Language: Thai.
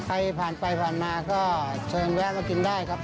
ใครผ่านไปผ่านมาก็เชิญแวะมากินได้ครับ